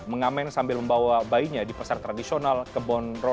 mengamen sambil membawa bayinya di pasar tradisional ke bonroy